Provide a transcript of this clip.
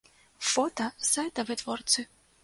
Фота з сайта вытворцы.